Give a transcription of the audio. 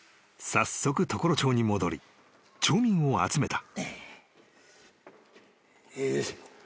［早速常呂町に戻り町民を集めた］